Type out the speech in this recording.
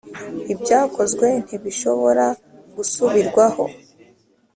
ibyakozwe ntibishobora gusubirwaho.